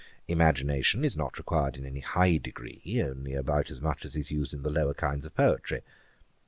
Imagination is not required in any high degree; only about as much as is used in the lower kinds of poetry.